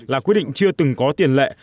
là quyết định chưa từng có tiền lệ